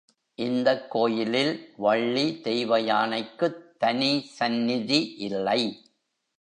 இந்தக் கோயிலில் வள்ளி தெய்வயானைக்குத் தனி சந்நிதி இல்லை.